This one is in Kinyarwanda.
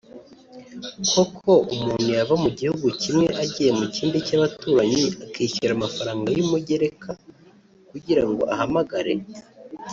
koko umuntu yava mu gihugu kimwe agiye mu kindi cy’abaturanyi akishyura amafaranga y’umugereka kugira ngo ahamagare